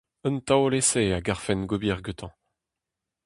Un taol-esae a garfen ober gantañ.